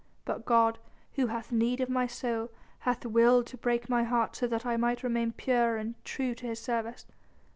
But God, who hath need of my soul, hath willed to break my heart so that I might remain pure and true to His service.